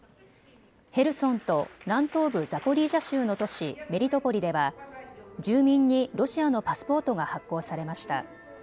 へルソンと南東部ザポリージャ州の都市メリトポリでは住民にロシアのパスポートが発行されました。